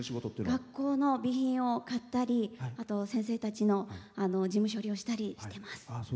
学校の備品を買ったりあと先生たちの事務処理をしたりしてます。